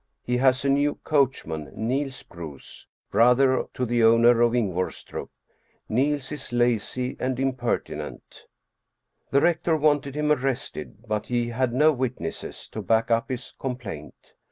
He has a new coachman, Niels Bruus, brother to the owner of Ingvorstrup. Neils is lazy and imperti nent. The rector wanted him arrested, but he had no wit nesses to back up his complaint.